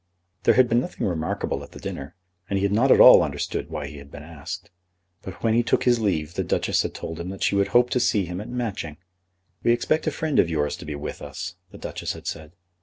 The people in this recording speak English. There had been nothing remarkable at the dinner, and he had not at all understood why he had been asked. But when he took his leave the Duchess had told him that she would hope to see him at Matching. "We expect a friend of yours to be with us," the Duchess had said.